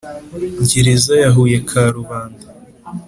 Gereza ya huye karubanda